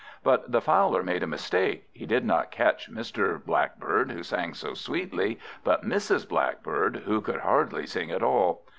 But the Fowler made a mistake; he did not catch Mr. Blackbird, who sang so sweetly, but Mrs. Blackbird, who could hardly sing at all.